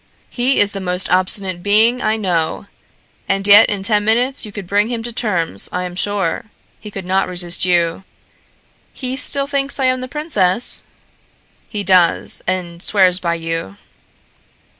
"He is the most obstinate being I know, and yet in ten minutes you could bring him to terms, I am sure. He could not resist you." "He still thinks I am the princess?" "He does, and swears by you."